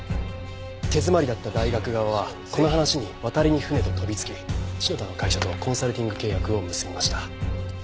手詰まりだった大学側はこの話に渡りに船と飛びつき篠田の会社とコンサルティング契約を結びました。